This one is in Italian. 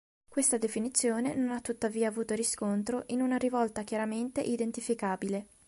Questa definizione non ha tuttavia avuto riscontro in una rivolta chiaramente identificabile.